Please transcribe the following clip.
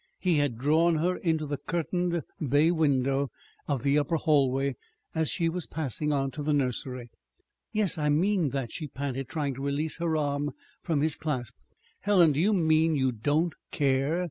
He had drawn her into the curtained bay window of the upper hallway, as she was passing on to the nursery. "Yes, I mean that," she panted, trying to release her arm from his clasp. "Helen! Do you mean you don't care?"